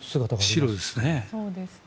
白ですね。